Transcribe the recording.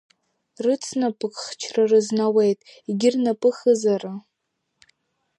Рыцнапык хчра рызануеит, егьи рнапы хызара…